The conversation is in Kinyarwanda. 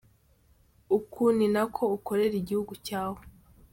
Uku ni nako ukorera igihugu cyawe.